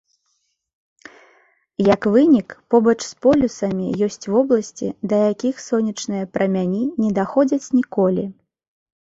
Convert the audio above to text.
Як вынік, побач з полюсамі ёсць вобласці, да якіх сонечныя прамяні не даходзяць ніколі.